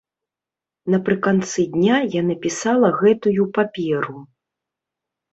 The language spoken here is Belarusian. Напрыканцы дня я напісала гэтую паперу.